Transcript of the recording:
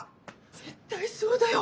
絶対そうだよ。